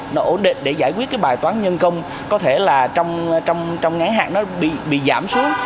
nó ổn định để giải quyết cái bài toán nhân công có thể là trong ngắn hạn nó bị giảm xuống